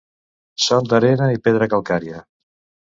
Són d'arena i pedra calcària.